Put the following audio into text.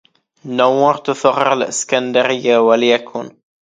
نورت ثغر الإسكندرية وليكن